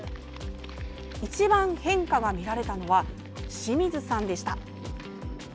一番変化が見られたのは清水さんでした。